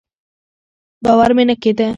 باور مې نه کېده.